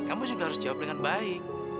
kamu juga harus jawab dengan baik